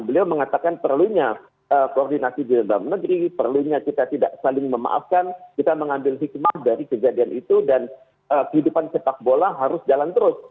beliau mengatakan perlunya koordinasi di dalam negeri perlunya kita tidak saling memaafkan kita mengambil hikmah dari kejadian itu dan kehidupan sepak bola harus jalan terus